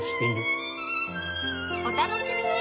お楽しみに